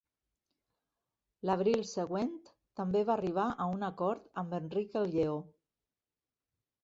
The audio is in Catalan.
L'abril següent també va arribar a un acord amb Enric el Lleó.